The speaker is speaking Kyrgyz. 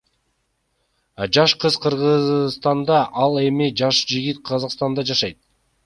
Жаш кыз Кыргызстанда ал эми жаш жигит Казакстанда жашайт.